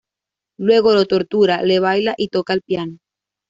Luego lo "tortura", le baila y toca el piano.